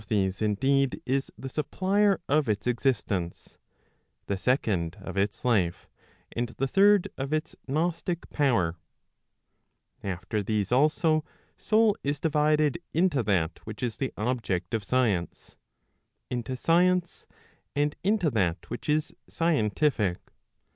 Digitized by t^OOQLe 508 ON THE SUBSISTENCE indeed, is the supplier of its existence, the second of its life, and the third. Of its gnostic power. After these also, soul is divided, into that which is the object of science, into science, and into that which is scientific.